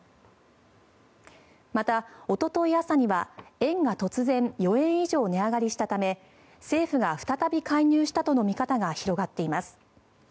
また、おととい朝には円が突然４円以上値上がりしたため政府が再び介入したとの見方が広がっています。